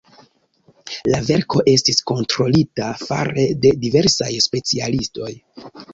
La verko estis kontrolita fare de diversaj specialistoj.